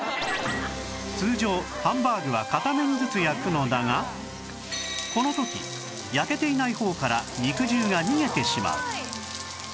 通常ハンバーグは片面ずつ焼くのだがこの時焼けていない方から肉汁が逃げてしまう